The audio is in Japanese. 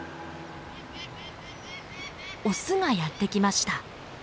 オスがやって来ました。